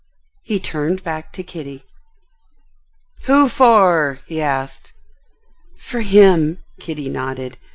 He turned back to Kitty. "Who for?" he asked. "For him," Kitty nodded.